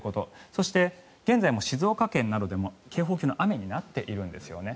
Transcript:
そして、現在も静岡県などで警報級の雨になっているんですよね。